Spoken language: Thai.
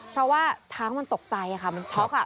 เพราะว่าช้างมันตกใจค่ะมันช็อก